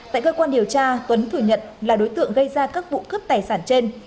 tại cơ quan điều tra tuấn thừa nhận là đối tượng gây ra các vụ cướp tài sản trên